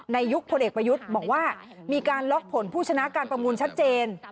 ยุคพลเอกประยุทธ์บอกว่ามีการล็อกผลผู้ชนะการประมูลชัดเจน